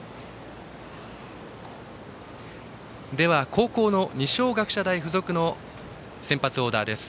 後攻の二松学舎大付属の先発オーダーです。